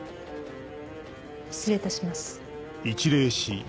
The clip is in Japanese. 失礼いたします。